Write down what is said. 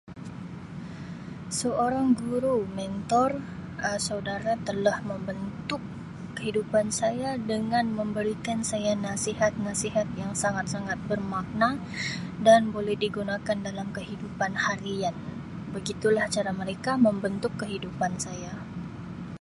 Seorang guru mentor Um saudara telah membentuk kehidupan saya dengan memberikan saya nasihat-nasihat yang sangat-sangat bermakna dan boleh digunakan dalam kehidupan harian begitu lah cara mereka membentuk kehidupan saya.